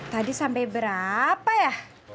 tadi sampai berapa ya